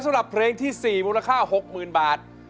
สำหรับเพลงที่๔มูลค่า๖๐๐๐บาท